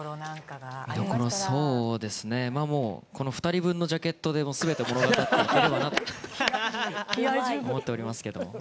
もうこの２人分のジャケットですべて物語っていければなと思っていますが。